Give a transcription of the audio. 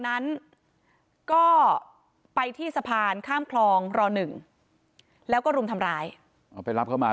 นั้นก็ไปที่สะพานข้ามคลองรอหนึ่งแล้วก็รุมทำร้ายอ๋อไปรับเข้ามา